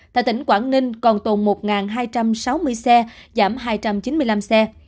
tại tỉnh quảng ninh còn tồn một hai trăm sáu mươi xe giảm hai trăm chín mươi năm xe